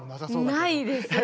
ないですよ。